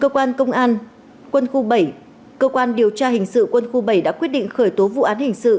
cơ quan công an quân khu bảy cơ quan điều tra hình sự quân khu bảy đã quyết định khởi tố vụ án hình sự